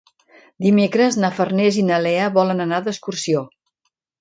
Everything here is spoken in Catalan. Dimecres na Farners i na Lea volen anar d'excursió.